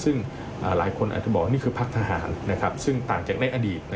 ซึ่งหลายคนอาจจะบอกนี่คือพักทหารซึ่งต่างจากในอดีต